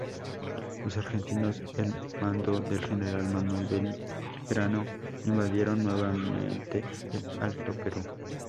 Los argentinos, al mando del general Manuel Belgrano, invadieron nuevamente el Alto Perú.